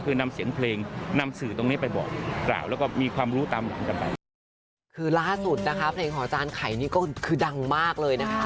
คือล่าสุดนะคะเพลงของอาจารย์ไข่นี่ก็คือดังมากเลยนะคะ